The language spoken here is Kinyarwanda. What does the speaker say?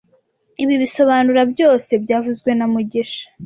Ibi bisobanura byose byavuzwe na mugisha